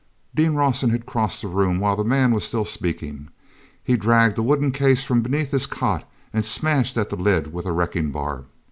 ean Rawson had crossed the room while the man was still speaking. He dragged a wooden case from beneath his cot and smashed at the lid with a wrecking bar.